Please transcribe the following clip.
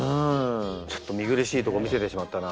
ちょっと見苦しいとこ見せてしまったな。